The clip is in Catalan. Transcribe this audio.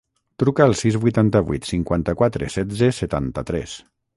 Truca al sis, vuitanta-vuit, cinquanta-quatre, setze, setanta-tres.